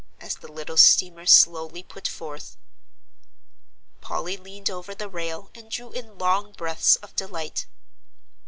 as the little steamer slowly put forth. Polly leaned over the rail and drew in long breaths of delight.